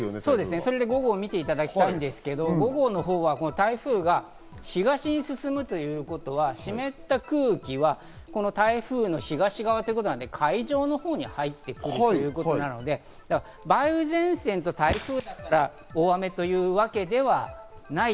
それで５号を見ていただきたいんですけど、５号は台風が東に進むということは湿った空気は台風の海上に入ってくるということなので、梅雨前線と台風だから大雨というわけではない。